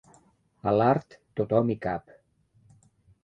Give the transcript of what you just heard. A l'art tothom hi cap.